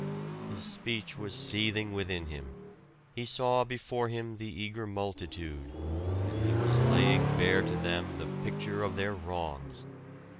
His speech was seething within him. He saw before him the eager multitude, and he was laying bare to them the picture of their wrongs.